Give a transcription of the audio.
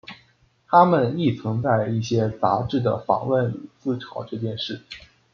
他们亦曾在一些杂志的访问里自嘲这件事。